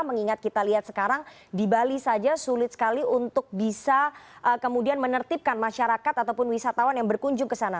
mengingat kita lihat sekarang di bali saja sulit sekali untuk bisa kemudian menertibkan masyarakat ataupun wisatawan yang berkunjung ke sana